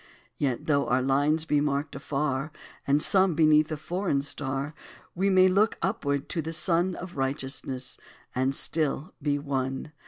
Yet, though our lines be marked afar, And some beneath a foreign star, We may look upward to the Sun Of righteousness, and still be one.